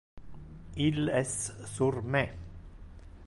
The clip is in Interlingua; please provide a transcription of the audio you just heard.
Il es sur me.